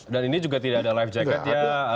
dan ini juga tidak ada life jacketnya